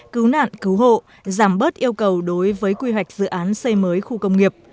cứu nạn cứu hộ giảm bớt yêu cầu đối với quy hoạch dự án xây mới khu công nghiệp